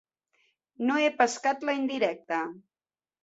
No he pescat la indirecta.